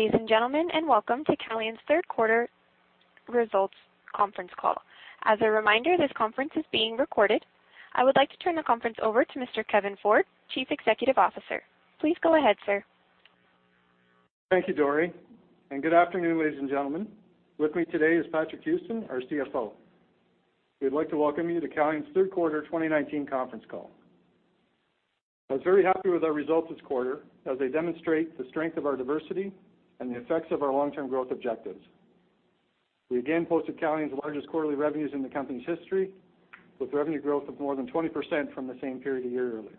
Ladies and gentlemen, welcome to Calian's third quarter results conference call. As a reminder, this conference is being recorded. I would like to turn the conference over to Mr. Kevin Ford, Chief Executive Officer. Please go ahead, sir. Thank you, Dory. Good afternoon, ladies and gentlemen. With me today is Patrick Houston, our CFO. We'd like to welcome you to Calian's third quarter 2019 conference call. I was very happy with our results this quarter as they demonstrate the strength of our diversity and the effects of our long-term growth objectives. We again posted Calian's largest quarterly revenues in the company's history, with revenue growth of more than 20% from the same period a year earlier.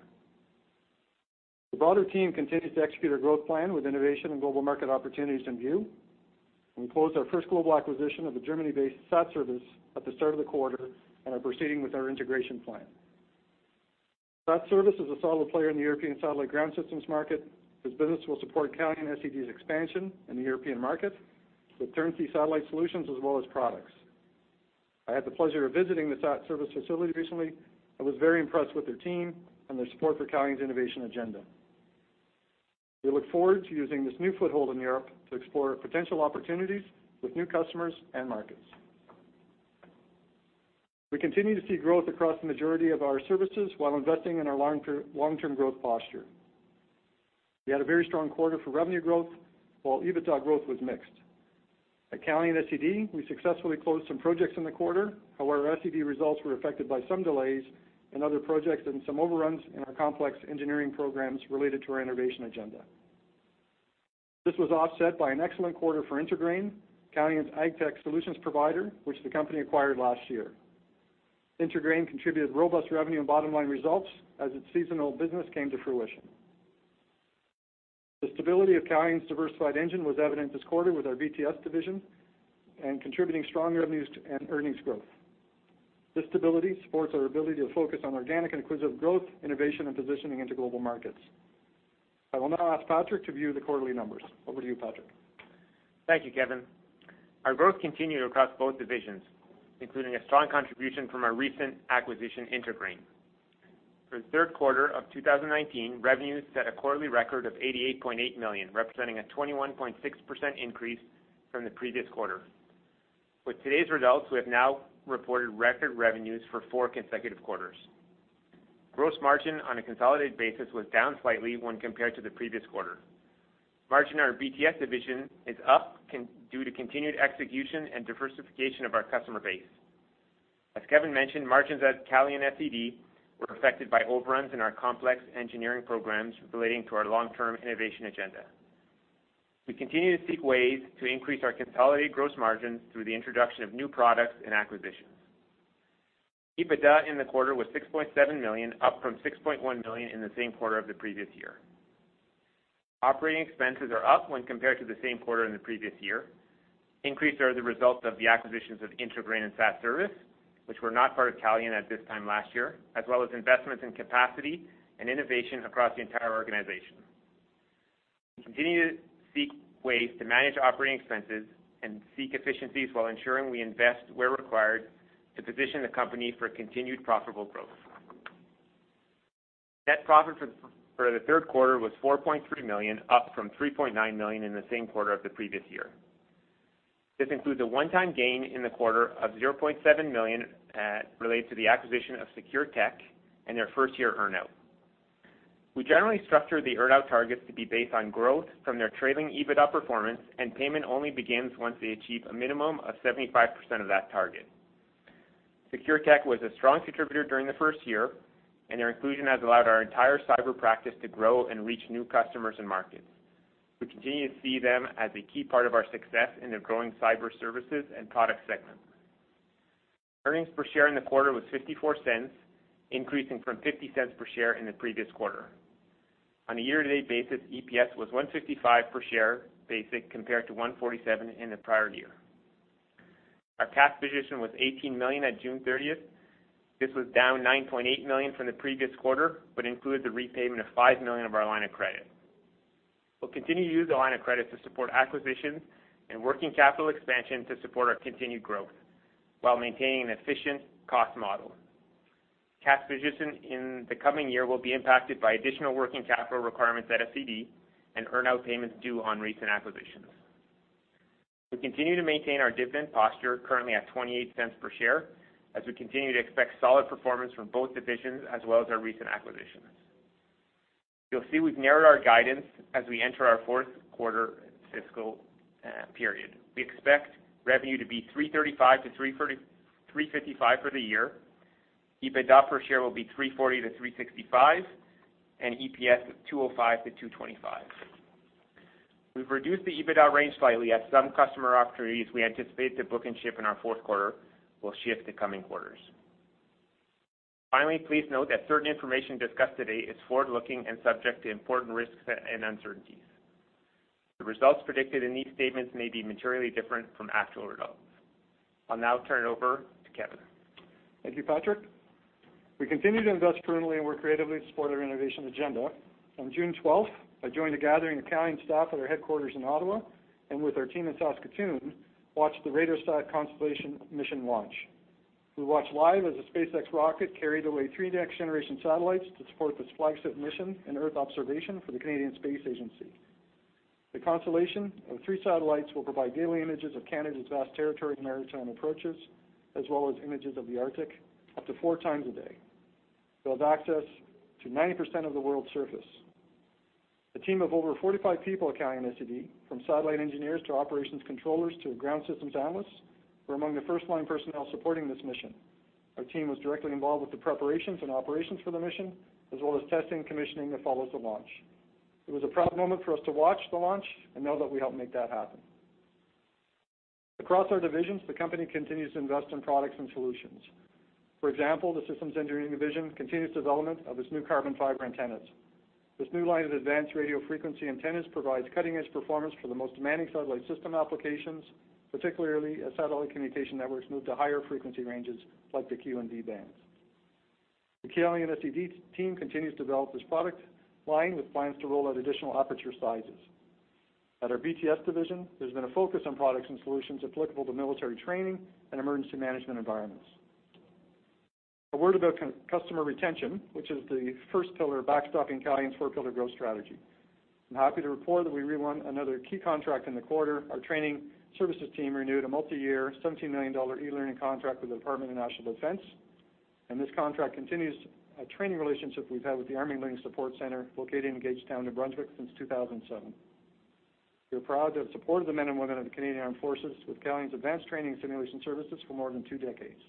The broader team continues to execute our growth plan with innovation and global market opportunities in view. We closed our first global acquisition of a Germany-based SatService at the start of the quarter and are proceeding with our integration plan. That service is a solid player in the European satellite ground systems market. This business will support Calian SED's expansion in the European market with turnkey satellite solutions as well as products. I had the pleasure of visiting the SatService facility recently and was very impressed with their team and their support for Calian's innovation agenda. We look forward to using this new foothold in Europe to explore potential opportunities with new customers and markets. We continue to see growth across the majority of our services while investing in our long-term growth posture. We had a very strong quarter for revenue growth, while EBITDA growth was mixed. At Calian SED, we successfully closed some projects in the quarter. Our SED results were affected by some delays in other projects and some overruns in our complex engineering programs related to our innovation agenda. This was offset by an excellent quarter for IntraGrain, Calian's AgTech solutions provider, which the company acquired last year. IntraGrain contributed robust revenue and bottom-line results as its seasonal business came to fruition. The stability of Calian's diversified engine was evident this quarter with our BTS division contributing strong revenues and earnings growth. This stability supports our ability to focus on organic and acquisitive growth, innovation, and positioning into global markets. I will now ask Patrick to view the quarterly numbers. Over to you, Patrick. Thank you, Kevin. Our growth continued across both divisions, including a strong contribution from our recent acquisition, IntraGrain. For the third quarter of 2019, revenues set a quarterly record of 88.8 million, representing a 21.6% increase from the previous quarter. With today's results, we have now reported record revenues for four consecutive quarters. Gross margin on a consolidated basis was down slightly when compared to the previous quarter. Margin on our BTS division is up due to continued execution and diversification of our customer base. As Kevin mentioned, margins at Calian SED were affected by overruns in our complex engineering programs relating to our long-term innovation agenda. We continue to seek ways to increase our consolidated gross margins through the introduction of new products and acquisitions. EBITDA in the quarter was 6.7 million, up from 6.1 million in the same quarter of the previous year. Operating expenses are up when compared to the same quarter in the previous year. Increases are the result of the acquisitions of IntraGrain and SatService, which were not part of Calian at this time last year, as well as investments in capacity and innovation across the entire organization. We continue to seek ways to manage operating expenses and seek efficiencies while ensuring we invest where required to position the company for continued profitable growth. Net profit for the third quarter was 4.3 million, up from 3.9 million in the same quarter of the previous year. This includes a one-time gain in the quarter of 0.7 million related to the acquisition of SecureTech and their first-year earn-out. We generally structure the earn-out targets to be based on growth from their trailing EBITDA performance, and payment only begins once they achieve a minimum of 75% of that target. SecureTech was a strong contributor during the first year, and their inclusion has allowed our entire cyber practice to grow and reach new customers and markets. We continue to see them as a key part of our success in the growing cyber services and product segment. Earnings per share in the quarter was 0.54, increasing from 0.50 per share in the previous quarter. On a year-to-date basis, EPS was 1.55 per share basic compared to 1.47 in the prior year. Our cash position was 18 million at June 30th. This was down 9.8 million from the previous quarter, but included the repayment of 5 million of our line of credit. We'll continue to use the line of credit to support acquisitions and working capital expansion to support our continued growth while maintaining an efficient cost model. Cash position in the coming year will be impacted by additional working capital requirements at SED and earn-out payments due on recent acquisitions. We continue to maintain our dividend posture, currently at 0.28 per share, as we continue to expect solid performance from both divisions as well as our recent acquisitions. You'll see we've narrowed our guidance as we enter our fourth quarter fiscal period. We expect revenue to be 335-355 for the year. EBITDA per share will be 340-365, and EPS 205-225. We've reduced the EBITDA range slightly as some customer opportunities we anticipate to book and ship in our fourth quarter will shift to coming quarters. Please note that certain information discussed today is forward-looking and subject to important risks and uncertainties. The results predicted in these statements may be materially different from actual results. I'll now turn it over to Kevin. Thank you, Patrick. We continue to invest prudently and work creatively to support our innovation agenda. On June 12th, I joined a gathering of Calian staff at our headquarters in Ottawa and with our team in Saskatoon, watched the RADARSAT Constellation mission launch. We watched live as a SpaceX rocket carried away three next-generation satellites to support this flagship mission in Earth observation for the Canadian Space Agency. The constellation of three satellites will provide daily images of Canada's vast territory and maritime approaches, as well as images of the Arctic up to four times a day. It'll have access to 90% of the world's surface. A team of over 45 people at Calian SED, from satellite engineers to operations controllers to ground systems analysts, were among the first-line personnel supporting this mission. Our team was directly involved with the preparations and operations for the mission, as well as testing and commissioning that follows the launch. It was a proud moment for us to watch the launch and know that we helped make that happen. Across our divisions, the company continues to invest in products and solutions. For example, the Systems Engineering Division continues development of its new carbon fiber antennas. This new line of advanced radio frequency antennas provides cutting-edge performance for the most demanding satellite system applications, particularly as satellite communication networks move to higher frequency ranges like the Q and V bands. The Calian SED team continues to develop this product line with plans to roll out additional aperture sizes. At our BTS division, there's been a focus on products and solutions applicable to military training and emergency management environments. A word about customer retention, which is the first pillar backstopping Calian's four-pillar growth strategy. I'm happy to report that we re-won another key contract in the quarter. Our training services team renewed a multi-year, 17 million dollar e-learning contract with the Department of National Defence, and this contract continues a training relationship we've had with the Army Learning Support Centre located in Gagetown, New Brunswick, since 2007. We are proud to have supported the men and women of the Canadian Armed Forces with Calian's advanced training and simulation services for more than two decades.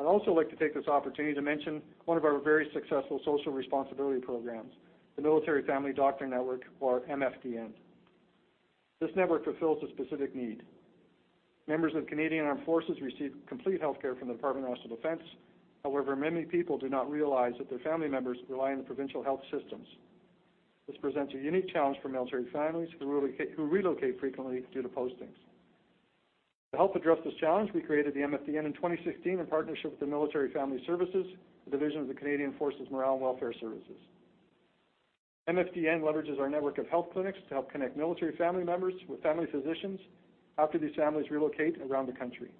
I'd also like to take this opportunity to mention one of our very successful social responsibility programs, the Military Family Doctor Network, or MFDN. This network fulfills a specific need. Members of the Canadian Armed Forces receive complete healthcare from the Department of National Defence. However, many people do not realize that their family members rely on the provincial health systems. This presents a unique challenge for military families who relocate frequently due to postings. To help address this challenge, we created the MFDN in 2016 in partnership with the Military Family Services, a division of the Canadian Forces Morale and Welfare Services. MFDN leverages our network of health clinics to help connect military family members with family physicians after these families relocate around the country.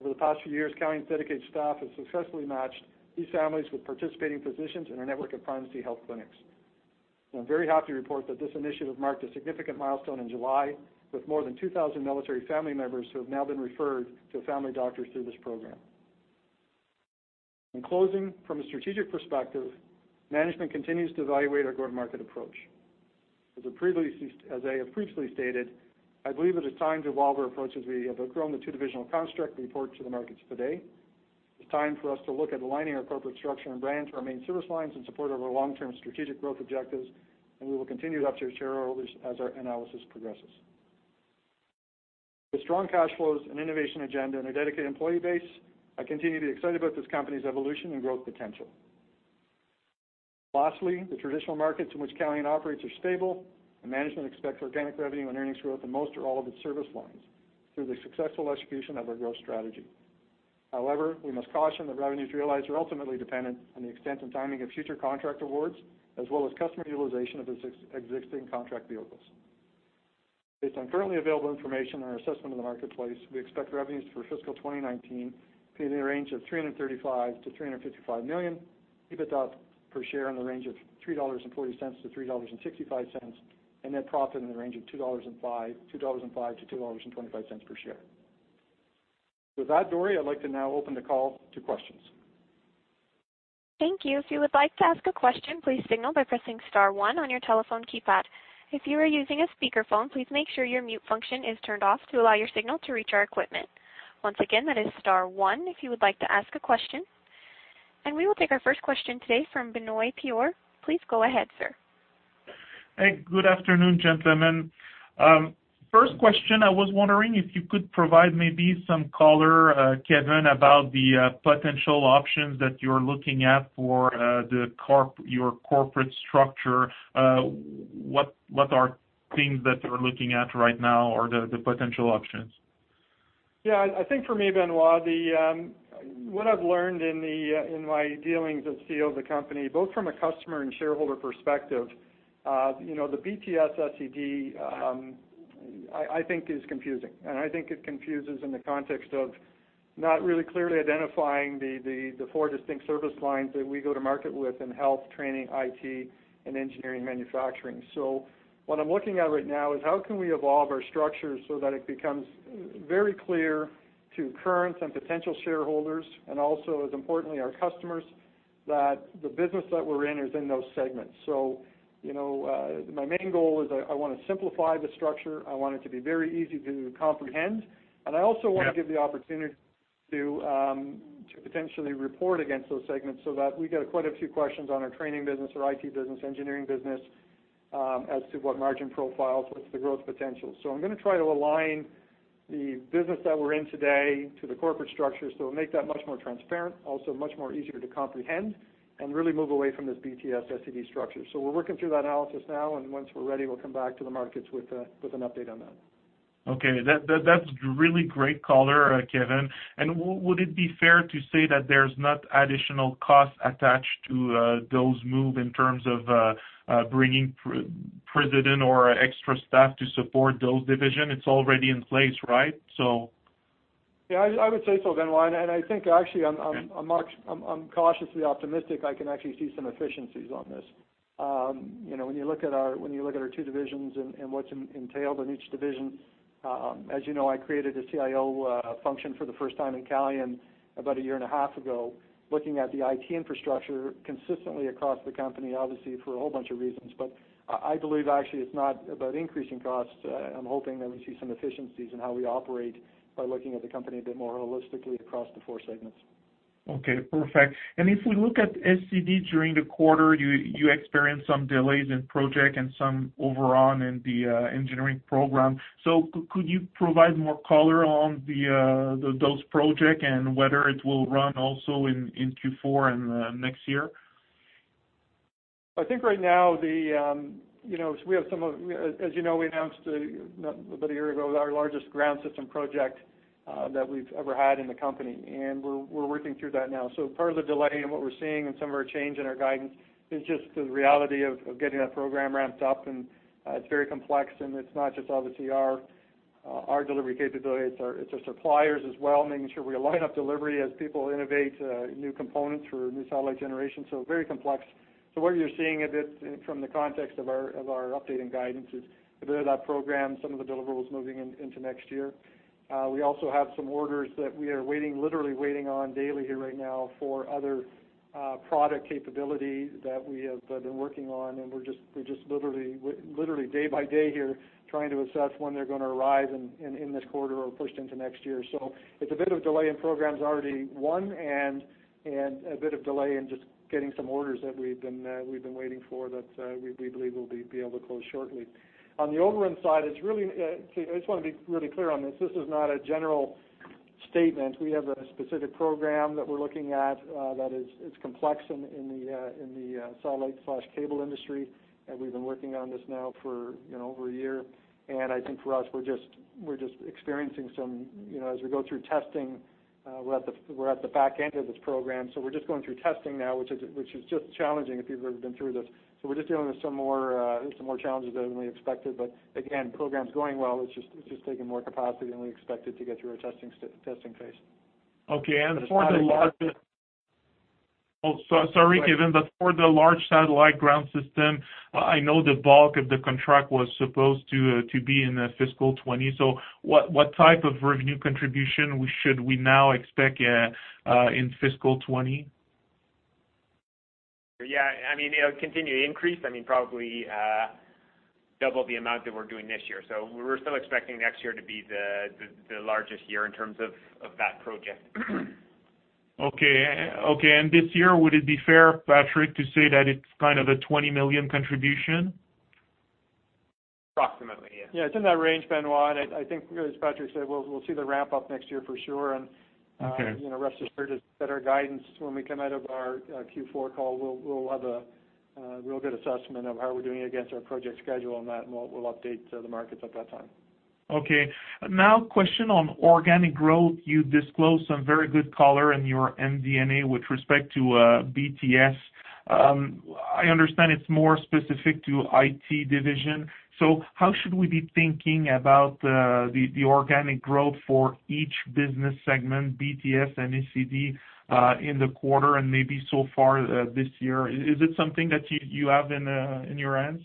Over the past few years, Calian's dedicated staff have successfully matched these families with participating physicians in our network of primary care health clinics. I'm very happy to report that this initiative marked a significant milestone in July, with more than 2,000 military family members who have now been referred to family doctors through this program. In closing, from a strategic perspective, management continues to evaluate our go-to-market approach. As I have previously stated, I believe it is time to evolve our approach as we have outgrown the two divisional construct we report to the markets today. We will continue to update shareholders as our analysis progresses. With strong cash flows, an innovation agenda, and a dedicated employee base, I continue to be excited about this company's evolution and growth potential. Lastly, the traditional markets in which Calian operates are stable. Management expects organic revenue and earnings growth in most or all of its service lines through the successful execution of our growth strategy. However, we must caution that revenues realized are ultimately dependent on the extent and timing of future contract awards, as well as customer utilization of its existing contract vehicles. Based on currently available information and our assessment of the marketplace, we expect revenues for fiscal 2019 to be in the range of 335 million-355 million, EBITDA per share in the range of 3.40-3.65 dollars, and net profit in the range of 2.05-2.25 dollars per share. With that, Dori, I'd like to now open the call to questions. Thank you. If you would like to ask a question, please signal by pressing *1 on your telephone keypad. If you are using a speakerphone, please make sure your mute function is turned off to allow your signal to reach our equipment. Once again, that is *1 if you would like to ask a question. We will take our first question today from Benoit Poirier. Please go ahead, sir. Hey, good afternoon, gentlemen. First question, I was wondering if you could provide maybe some color, Kevin, about the potential options that you're looking at for your corporate structure. What are things that you're looking at right now or the potential options? Yeah, I think for me, Benoit, what I've learned in my dealings as CEO of the company, both from a customer and shareholder perspective, the BTS, SED, I think is confusing. I think it confuses in the context of not really clearly identifying the four distinct service lines that we go to market with in health, training, IT, and engineering and manufacturing. What I'm looking at right now is how can we evolve our structure so that it becomes very clear to current and potential shareholders, and also, as importantly, our customers, that the business that we're in is in those segments. My main goal is I want to simplify the structure. I want it to be very easy to comprehend. I also want to give the opportunity to potentially report against those segments so that we get quite a few questions on our training business or IT business, engineering business, as to what margin profiles, what's the growth potential. I'm going to try to align the business that we're in today to the corporate structure, so it'll make that much more transparent, also much more easier to comprehend, and really move away from this BTS, SED structure. We're working through that analysis now, and once we're ready, we'll come back to the markets with an update on that. Okay. That's really great color, Kevin. Would it be fair to say that there's not additional costs attached to those move in terms of bringing president or extra staff to support those division? It's already in place, right? I would say so, Benoit. I think actually I'm cautiously optimistic I can actually see some efficiencies on this. When you look at our two divisions and what's entailed in each division, as you know, I created a CIO function for the first time in Calian about a year and a half ago, looking at the IT infrastructure consistently across the company, obviously for a whole bunch of reasons. I believe actually it's not about increasing costs. I'm hoping that we see some efficiencies in how we operate by looking at the company a bit more holistically across the four segments. Okay, perfect. If we look at SED during the quarter, you experienced some delays in project and some overrun in the engineering program. Could you provide more color on those project and whether it will run also in Q4 and next year? I think right now, as you know, we announced about a year ago our largest ground system project that we've ever had in the company, and we're working through that now. Part of the delay in what we're seeing and some of our change in our guidance is just the reality of getting that program ramped up, and it's very complex, and it's not just obviously our delivery capability, it's our suppliers as well, making sure we align up delivery as people innovate new components for new satellite generations. Very complex. What you're seeing a bit from the context of our updating guidance is a bit of that program, some of the deliverables moving into next year. We also have some orders that we are literally waiting on daily here right now for other product capability that we have been working on, and we're just literally day by day here trying to assess when they're going to arrive in this quarter or pushed into next year. It's a bit of delay in programs already, one, and a bit of delay in just getting some orders that we've been waiting for that we believe we'll be able to close shortly. On the overrun side, I just want to be really clear on this. This is not a general statement. We have a specific program that we're looking at that is complex in the satellite/cable industry, and we've been working on this now for over a year. I think for us, we're just experiencing some, as we go through testing, we're at the back end of this program, so we're just going through testing now, which is just challenging if you've ever been through this. We're just dealing with some more challenges than we expected. Again, program's going well. It's just taking more capacity than we expected to get through our testing phase. Okay. It's not a large. Sorry, Kevin, for the large satellite ground system, I know the bulk of the contract was supposed to be in fiscal 2020. What type of revenue contribution should we now expect in fiscal 2020? Yeah, it'll continue to increase, probably double the amount that we're doing this year. We're still expecting next year to be the largest year in terms of that project. Okay. This year, would it be fair, Patrick, to say that it's kind of a 20 million contribution? Approximately, yeah. Yeah, it's in that range, Benoit. I think as Patrick said, we'll see the ramp up next year for sure. Okay Rest assured that our guidance when we come out of our Q4 call, we'll have a real good assessment of how we're doing against our project schedule on that, and we'll update the markets at that time. Okay. Now question on organic growth. You disclosed some very good color in your MD&A with respect to BTS. I understand it's more specific to IT division. How should we be thinking about the organic growth for each business segment, BTS and SED, in the quarter and maybe so far this year? Is it something that you have in your hands?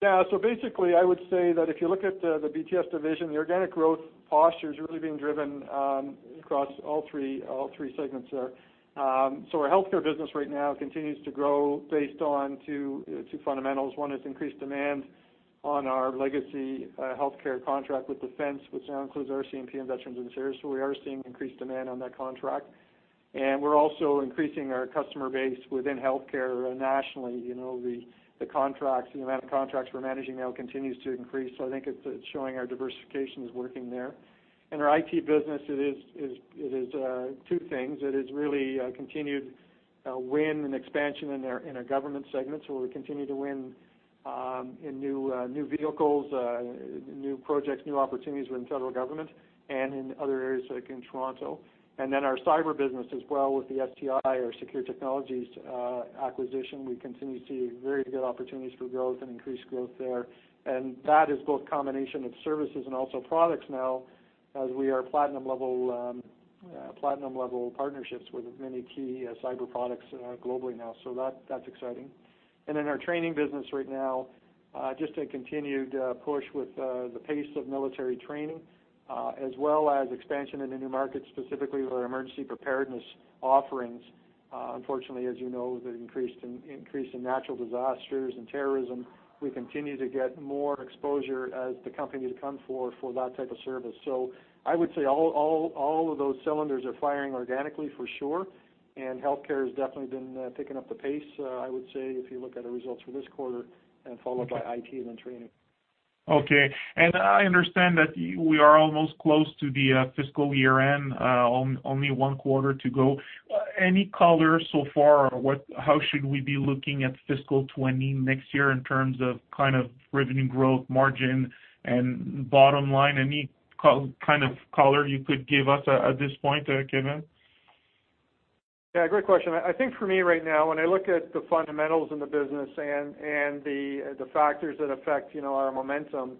Basically, I would say that if you look at the BTS division, the organic growth posture is really being driven across all three segments there. Our healthcare business right now continues to grow based on two fundamentals. One is increased demand on our legacy healthcare contract with Defence, which now includes RCMP and Veterans Affairs. We are seeing increased demand on that contract. We're also increasing our customer base within healthcare nationally. The amount of contracts we're managing now continues to increase, so I think it's showing our diversification is working there. In our IT business, it is two things. It is really a continued win and expansion in our government segments, where we continue to win in new vehicles, new projects, new opportunities within federal government and in other areas like in Toronto. Our cyber business as well with the STI, our Secure Technologies acquisition, we continue to see very good opportunities for growth and increased growth there. That is both combination of services and also products now as we are platinum-level partnerships with many key cyber products globally now. That's exciting. In our training business right now, just a continued push with the pace of military training as well as expansion into new markets, specifically with our emergency preparedness offerings. Unfortunately, as you know, the increase in natural disasters and terrorism, we continue to get more exposure as the company to come for that type of service. I would say all of those cylinders are firing organically for sure, and healthcare has definitely been picking up the pace, I would say, if you look at our results for this quarter and followed by IT and then training. Okay. I understand that we are almost close to the fiscal year-end, only one quarter to go. Any color so far on how should we be looking at fiscal 2020 next year in terms of revenue growth, margin, and bottom line? Any kind of color you could give us at this point, Kevin? Yeah, great question. I think for me right now, when I look at the fundamentals in the business and the factors that affect our momentum,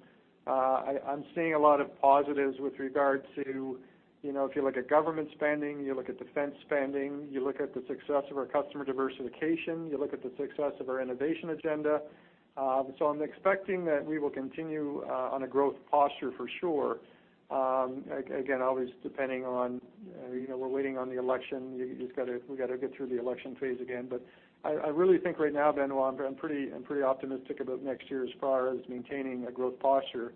I'm seeing a lot of positives with regard to, if you look at government spending, you look at defense spending, you look at the success of our customer diversification, you look at the success of our innovation agenda. I'm expecting that we will continue on a growth posture for sure. Again, always depending on, we're waiting on the election. We got to get through the election phase again. I really think right now, Benoit, I'm pretty optimistic about next year as far as maintaining a growth posture.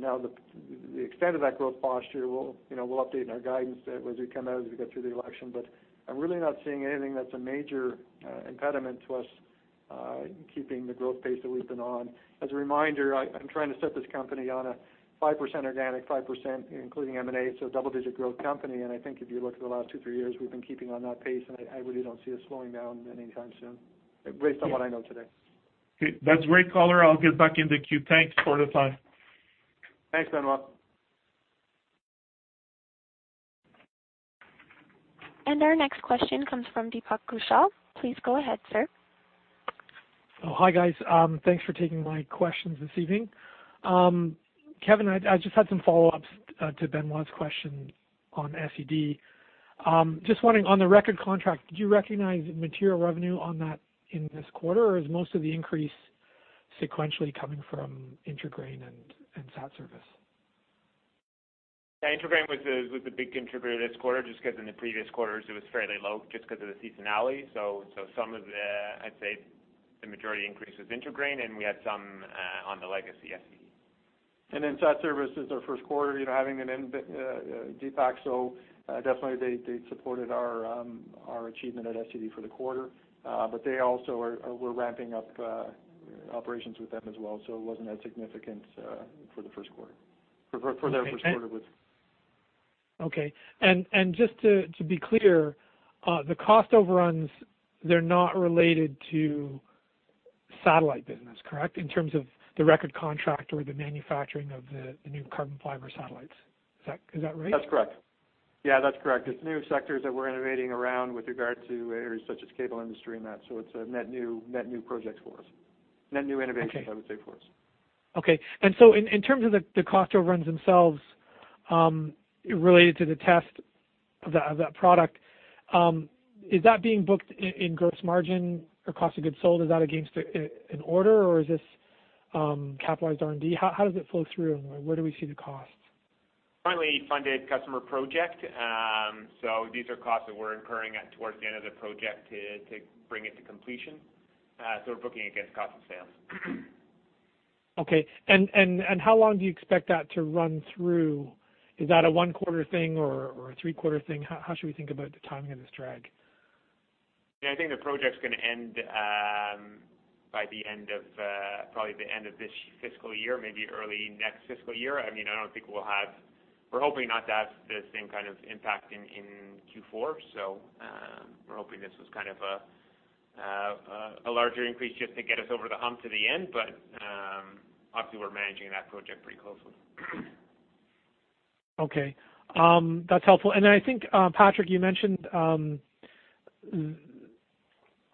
Now, the extent of that growth posture, we'll update in our guidance as we come out, as we get through the election. I'm really not seeing anything that's a major impediment to us keeping the growth pace that we've been on. As a reminder, I'm trying to set this company on a 5% organic, 5% including M&A, so a double-digit growth company. I think if you look at the last two, three years, we've been keeping on that pace, and I really don't see us slowing down anytime soon, based on what I know today. Okay. That's great, caller. I'll get back in the queue. Thanks for the time. Thanks, Benoit. Our next question comes from Deepak Kaushal. Please go ahead, sir. Oh, hi guys. Thanks for taking my questions this evening. Kevin, I just had some follow-ups to Benoit Poirier's question on SED. Just wondering, on the record contract, did you recognize material revenue on that in this quarter, or is most of the increase sequentially coming from IntraGrain and SatService? IntraGrain was the big contributor this quarter, just because in the previous quarters it was fairly low just because of the seasonality. Some of the, I'd say the majority increase was IntraGrain, and we had some on the legacy SED. SatService is our first quarter, having an impact, Deepak. Definitely they supported our achievement at SED for the quarter. They also, we're ramping up operations with them as well, so it wasn't as significant for their first quarter. Okay. Just to be clear, the cost overruns, they're not related to satellite business, correct? In terms of the record contract or the manufacturing of the new carbon fiber satellites. Is that right? That's correct. Yeah, that's correct. It's new sectors that we're innovating around with regard to areas such as cable industry and that. It's a net new project for us. Net new innovations, I would say, for us. Okay. In terms of the cost overruns themselves, related to the test of that product, is that being booked in gross margin or cost of goods sold? Is that against an order or is this capitalized R&D? How does it flow through and where do we see the costs? Currently funded customer project. These are costs that we're incurring towards the end of the project to bring it to completion. We're booking against cost of sales. Okay. How long do you expect that to run through? Is that a one quarter thing or a three quarter thing? How should we think about the timing of this drag? Yeah, I think the project's going to end by probably the end of this fiscal year, maybe early next fiscal year. We're hoping not to have the same kind of impact in Q4. We're hoping this was kind of a larger increase just to get us over the hump to the end. Obviously, we're managing that project pretty closely. Okay. That's helpful. I think, Patrick, you mentioned,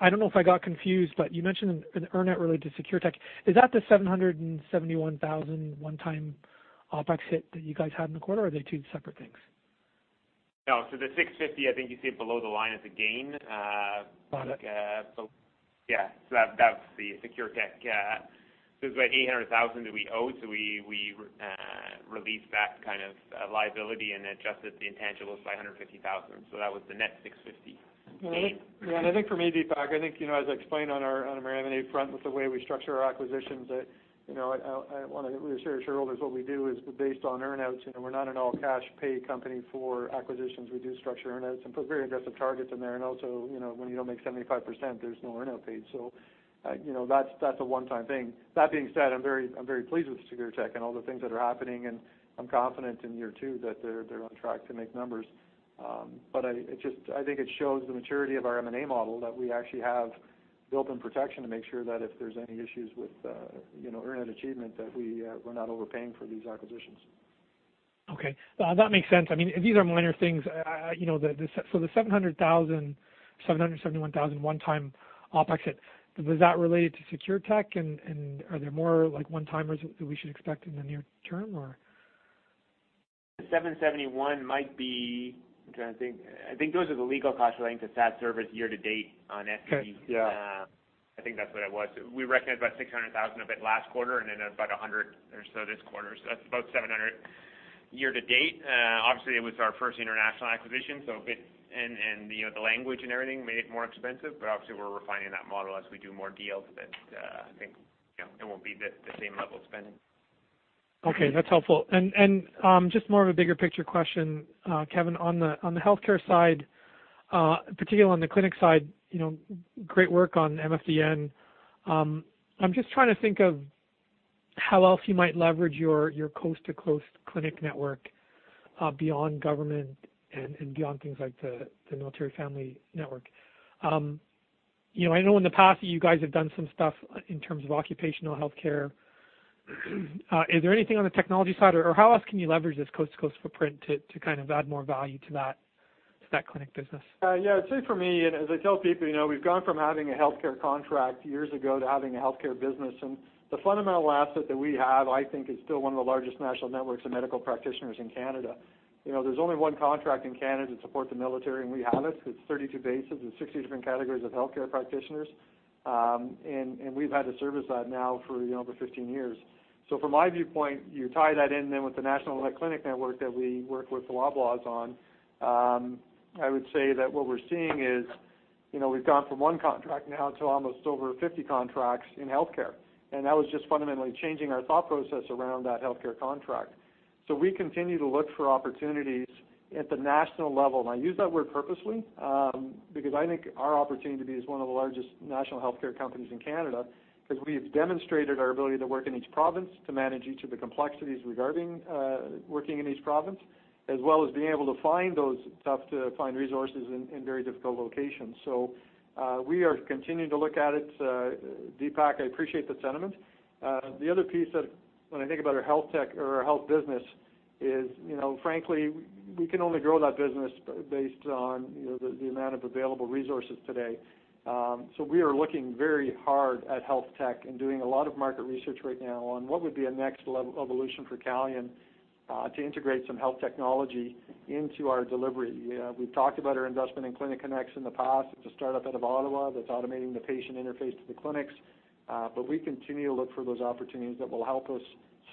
I don't know if I got confused, but you mentioned an earn-out related to SecureTek. Is that the 771,000 one-time OpEx hit that you guys had in the quarter or are they two separate things? No, the 650, I think you see it below the line as a gain. Got it. Yeah. That's theSecureTech. It's like 800,000 that we owed, so we released that kind of liability and adjusted the intangibles by 150,000. That was the net 650. Yeah, I think for me, Deepak, I think as I explained on our M&A front with the way we structure our acquisitions that, I want to reassure shareholders what we do is based on earn-outs. We're not an all cash pay company for acquisitions. We do structure earn-outs and put very aggressive targets in there. Also, when you don't make 75%, there's no earn-out paid. That's a one-time thing. That being said, I'm very pleased with SecureTech and all the things that are happening, and I'm confident in year two that they're on track to make numbers. I think it shows the maturity of our M&A model that we actually have built in protection to make sure that if there's any issues with earn-out achievement, that we're not overpaying for these acquisitions. Okay. No, that makes sense. These are minor things. The 771,000 one time OpEx hit, was that related to SecureTech and are there more one-timers that we should expect in the near term or? The 771 might be, I'm trying to think. I think those are the legal costs relating to SatService year to date on SED. Okay. Yeah. I think that's what it was. We recognized about 600,000 of it last quarter and then about 100 or so this quarter. That's about 700 year to date. Obviously, it was our first international acquisition, and the language and everything made it more expensive, but obviously we're refining that model as we do more deals that I think it won't be the same level of spending. Okay, that's helpful. Just more of a bigger picture question, Kevin, on the healthcare side, particularly on the clinic side, great work on MFDN. I'm just trying to think of how else you might leverage your coast-to-coast clinic network, beyond government and beyond things like the Military Family Network. I know in the past that you guys have done some stuff in terms of occupational healthcare. Is there anything on the technology side, or how else can you leverage this coast-to-coast footprint to add more value to that clinic business? Yeah. I'd say for me, as I tell people, we've gone from having a healthcare contract years ago to having a healthcare business. The fundamental asset that we have, I think, is still one of the largest national networks of medical practitioners in Canada. There's only one contract in Canada to support the military, and we have it. It's 32 bases and 60 different categories of healthcare practitioners. We've had to service that now for over 15 years. From my viewpoint, you tie that in then with the national clinic network that we work with the Loblaws on, I would say that what we're seeing is we've gone from one contract now to almost over 50 contracts in healthcare. That was just fundamentally changing our thought process around that healthcare contract. We continue to look for opportunities at the national level. I use that word purposely, because I think our opportunity to be as one of the largest national healthcare companies in Canada, because we have demonstrated our ability to work in each province, to manage each of the complexities regarding working in each province, as well as being able to find those tough-to-find resources in very difficult locations. We are continuing to look at it. Deepak, I appreciate the sentiment. The other piece that when I think about our health tech or our health business is frankly, we can only grow that business based on the amount of available resources today. We are looking very hard at health tech and doing a lot of market research right now on what would be a next-level evolution for Calian to integrate some health technology into our delivery. We've talked about our investment in Cliniconex in the past. It's a startup out of Ottawa that's automating the patient interface to the clinics. We continue to look for those opportunities that will help us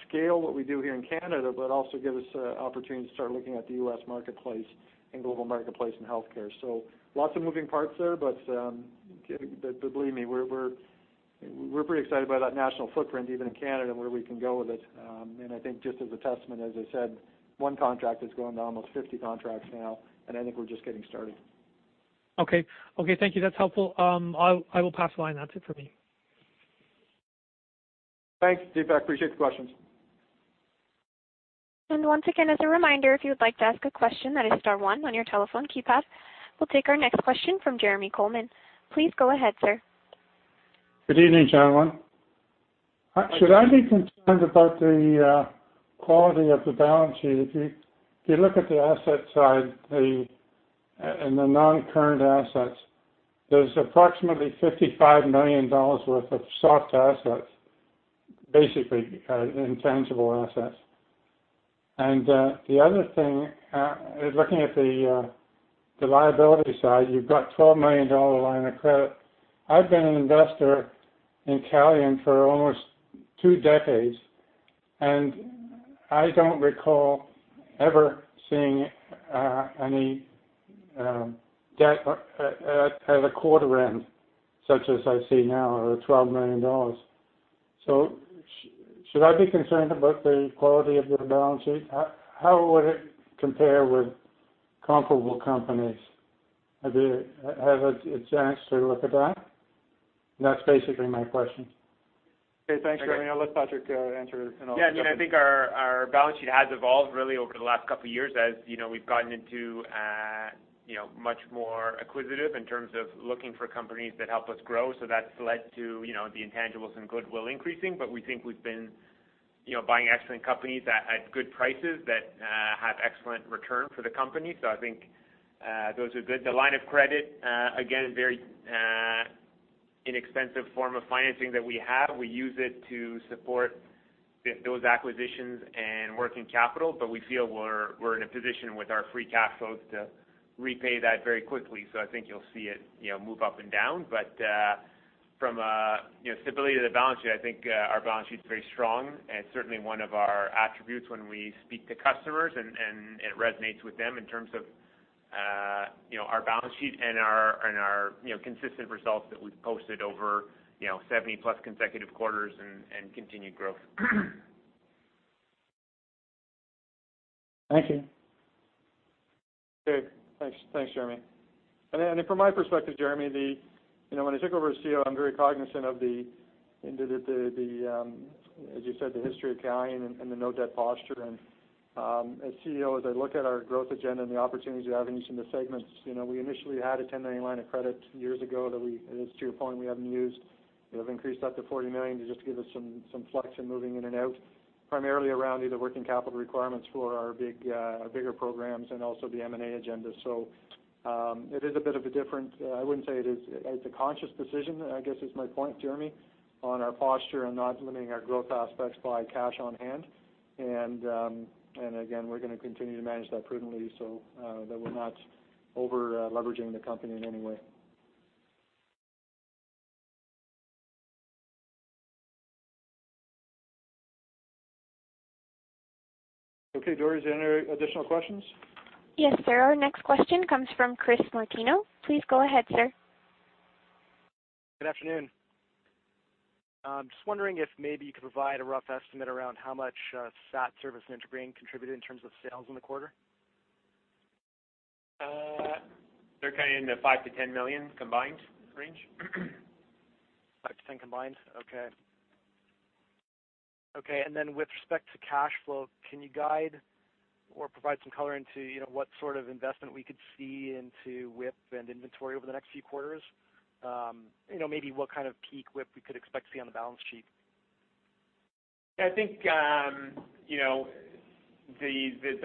scale what we do here in Canada, but also give us an opportunity to start looking at the U.S. marketplace and global marketplace in healthcare. Lots of moving parts there, but believe me, we're pretty excited about that national footprint, even in Canada, where we can go with it. I think just as a testament, as I said, one contract has grown to almost 50 contracts now, and I think we're just getting started. Okay. Thank you. That's helpful. I will pass the line. That's it for me. Thanks, Deepak. Appreciate the questions. Once again, as a reminder, if you would like to ask a question, that is star 1 on your telephone keypad. We'll take our next question from Jeremy Coleman. Please go ahead, sir. Good evening, gentlemen. Should I be concerned about the quality of the balance sheet? If you look at the asset side and the non-current assets, there's approximately 55 million dollars worth of soft assets, basically intangible assets. The other thing, looking at the liability side, you've got a 12 million dollar line of credit. I've been an investor in Calian for almost 2 decades, and I don't recall ever seeing any debt at a quarter end such as I see now, or the 12 million dollars. Should I be concerned about the quality of your balance sheet? How would it compare with comparable companies? Have a chance to look at that? That's basically my question. Okay, thanks, Jeremy. I'll let Patrick answer and I'll jump in. I think our balance sheet has evolved really over the last couple of years, as we've gotten much more acquisitive in terms of looking for companies that help us grow. That's led to the intangibles and goodwill increasing, but we think we've been buying excellent companies at good prices that have excellent return for the company. I think those are good. The line of credit, again, a very inexpensive form of financing that we have. We use it to support those acquisitions and working capital, but we feel we're in a position with our free cash flows to repay that very quickly. I think you'll see it move up and down. From a stability of the balance sheet, I think our balance sheet's very strong and certainly one of our attributes when we speak to customers, and it resonates with them in terms of our balance sheet and our consistent results that we've posted over 70-plus consecutive quarters and continued growth. Thank you. From my perspective, Jeremy, when I took over as CEO, I'm very cognizant of the, as you said, the history of Calian and the no-debt posture. As CEO, as I look at our growth agenda and the opportunities we have in each of the segments, we initially had a 10 million line of credit years ago that we, and this is to your point, we haven't used. We have increased that to 40 million to just give us some flex in moving in and out, primarily around either working capital requirements for our bigger programs and also the M&A agenda. It is a bit of a different. It's a conscious decision, I guess is my point, Jeremy, on our posture and not limiting our growth aspects by cash on hand. Again, we're going to continue to manage that prudently so that we're not over-leveraging the company in any way. Okay, Dori, is there any additional questions? Yes, sir. Our next question comes from Chris Martino. Please go ahead, sir. Good afternoon. Just wondering if maybe you could provide a rough estimate around how much SatService and IntraGrain contributed in terms of sales in the quarter? They're kind of in the 5 million-10 million combined range. 5-10 combined? Okay. With respect to cash flow, can you guide or provide some color into what sort of investment we could see into WIP and inventory over the next few quarters? Maybe what kind of peak WIP we could expect to see on the balance sheet. I think the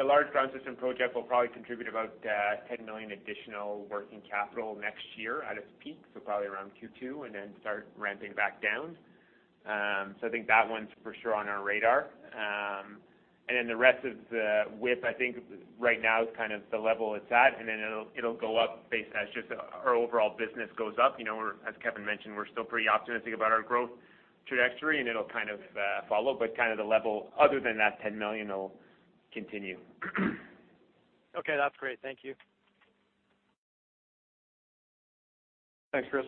large ground system project will probably contribute about 10 million additional working capital next year at its peak, so probably around Q2, and then start ramping back down. I think that one's for sure on our radar. Then the rest of the WIP, I think right now is kind of the level it's at, and then it'll go up based as just our overall business goes up. As Kevin mentioned, we're still pretty optimistic about our growth trajectory, and it'll kind of follow, but kind of the level other than that 10 million will continue. Okay, that's great. Thank you. Thanks, Chris.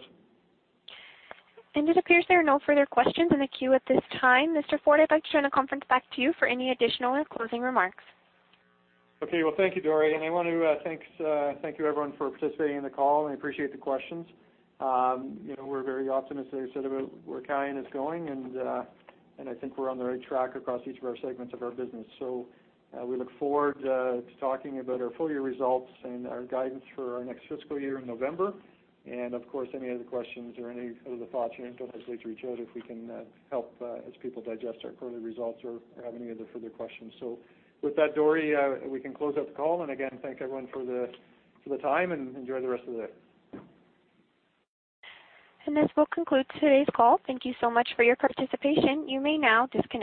It appears there are no further questions in the queue at this time. Mr. Ford, I'd like to turn the conference back to you for any additional or closing remarks. Okay. Well, thank you, Dori. I want to thank you, everyone, for participating in the call, and I appreciate the questions. We're very optimistic, as I said, about where Calian is going, and I think we're on the right track across each of our segments of our business. We look forward to talking about our full-year results and our guidance for our next fiscal year in November. Of course, any other questions or any other thoughts, feel free to reach out if we can help as people digest our quarterly results or have any other further questions. With that, Dori, we can close out the call. Again, thank everyone for the time, and enjoy the rest of the day. This will conclude today's call. Thank you so much for your participation. You may now disconnect.